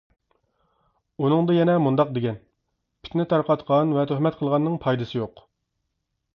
ئۇنىڭدا يەنە مۇنداق دېگەن: پىتنە تارقاتقان ۋە تۆھمەت قىلغاننىڭ پايدىسى يوق.